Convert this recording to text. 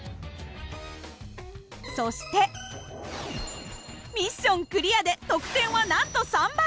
そしてミッションクリアで得点はなんと３倍！